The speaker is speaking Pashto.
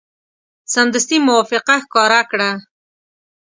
سمدستي موافقه ښکاره کړه.